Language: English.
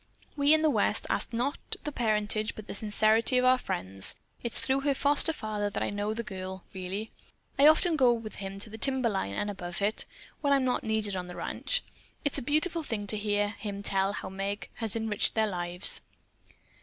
We in the West ask not the parentage but the sincerity of our friends. It's through her foster father that I know the girl, really. I often go with him to the timber line and above it, when I am not needed on the ranch. It's a beautiful thing to hear him tell how Meg has enriched their lives."